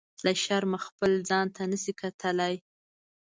له شرمه خپل ځان ته نه شي کتلی.